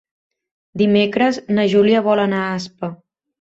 Dimecres na Júlia vol anar a Aspa.